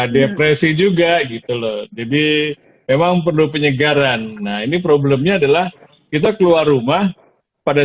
depresi juga gitu loh jadi memang perlu penyegaran nah ini problemnya adalah kita keluar rumah pada